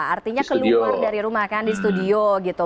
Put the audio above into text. artinya keluar dari rumah kan di studio gitu